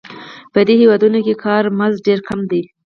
په دې هېوادونو کې کاري مزد ډېر کم دی